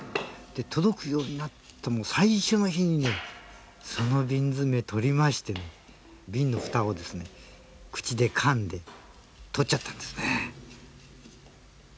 届くようになって、最初の日にその瓶詰めを取りましてビンのふたを口でかんで取っちゃったんですね。